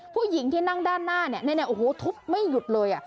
ผู้หญิงที่นั่งด้านหน้าเนี่ยเนี่ยเนี่ยโอ้โหทุบไม่หยุดเลยอ่ะ